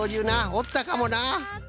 おったかもな。